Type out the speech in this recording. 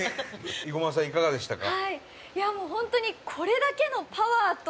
伊駒さん、いかがでしたか？